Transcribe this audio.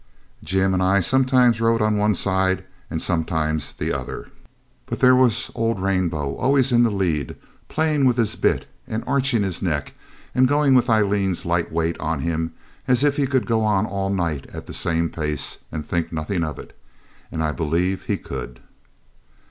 Jim and I sometimes rode on one side and sometimes the other; but there was old Rainbow always in the lead, playing with his bit and arching his neck, and going with Aileen's light weight on him as if he could go on all night at the same pace and think nothing of it; and I believe he could.